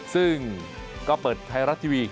ซึ่งก็เปิดไทยรัฐทีวี